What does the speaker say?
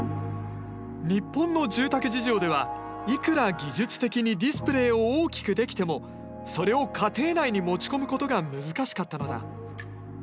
日本の住宅事情ではいくら技術的にディスプレーを大きくできてもそれを家庭内に持ち込むことが難しかったのだ。